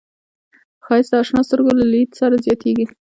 ښایست د اشنا سترګو له لید سره زیاتېږي